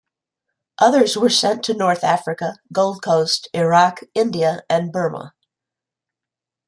Others were sent to North Africa, Gold Coast, Iraq, India, and Burma.